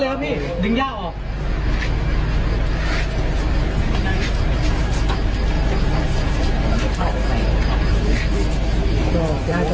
จะได้วางให้แม่ดูด้วยให้เขาดูด้วยติดตรงนะ